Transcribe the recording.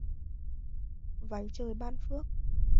Váy trời ban phước